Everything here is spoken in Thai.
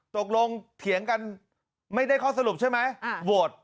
เถียงกันไม่ได้ข้อสรุปใช่ไหมโหวต